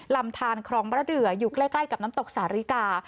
ลำทานครองมะระเดืออยู่ใกล้กับน้ำตกสาริกา